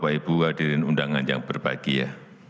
bapak ibu hadirin undangan yang berbahagia